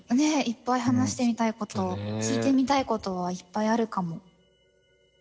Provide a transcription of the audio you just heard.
いっぱい話してみたいこと聞いてみたいことはいっぱいあるかも。